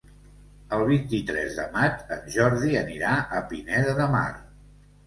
El vint-i-tres de maig en Jordi anirà a Pineda de Mar.